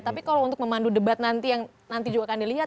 tapi kalau untuk memandu debat nanti yang nanti juga akan dilihat